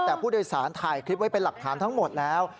แต่ผู้โดยสารถ่ายคลิปไว้เป็นหลักฐานทั้งหมดแล้ว